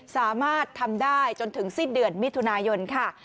สามารถทำได้จนถึงสิ้นเดือนมิถุนายนค่ะ